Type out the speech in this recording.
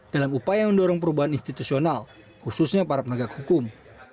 dalam upaya mendorong perubahan institusional khususnya para penegak hukum